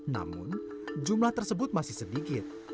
namun jumlah tersebut masih sedikit